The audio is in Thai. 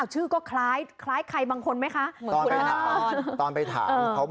ชื่อก็คล้ายใครบางคนไหมคะ